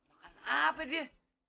makan apa dia